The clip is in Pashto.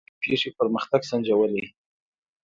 ازادي راډیو د طبیعي پېښې پرمختګ سنجولی.